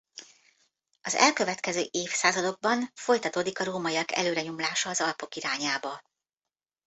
Az elkövetkező évszázadokban folytatódik a rómaiak előrenyomulása az Alpok irányába.